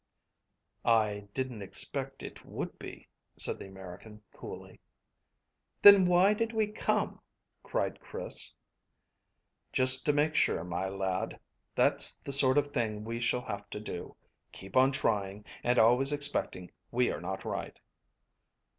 "I didn't expect it would be," said the American coolly. "Then why did we come?" cried Chris. "Just to make sure, my lad. That's the sort of thing we shall have to do: keep on trying, and always expecting we are not right."